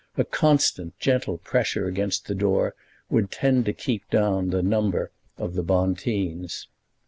A constant, gentle pressure against the door would tend to keep down the number of the Bonteens.